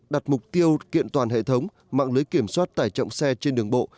đặt mục tiêu kiện toàn hệ thống mạng lưới kiểm soát tải trọng xe trên đường bộ